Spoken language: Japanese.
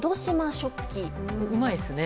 うまいですね。